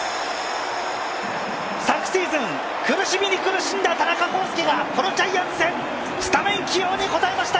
昨シーズン苦しみに苦しんだ田中広輔が、このジャイアンツ戦スタメン起用に応えました